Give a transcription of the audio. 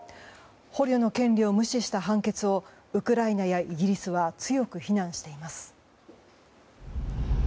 捕虜の権利を無視した判決をウクライナやイギリスは強く非難しています。